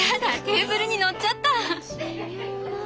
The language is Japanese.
テーブルに乗っちゃった。